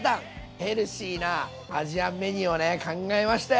ヘルシーなアジアンメニューをね考えましたよ。